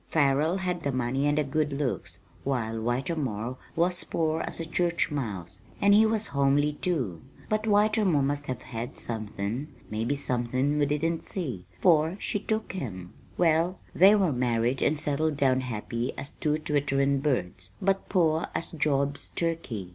Farrell had the money and the good looks, while Whitermore was poor as a church mouse, and he was homely, too. But Whitermore must have had somethin' maybe somethin' we didn't see, for she took him. "Well, they married and settled down happy as two twitterin' birds, but poor as Job's turkey.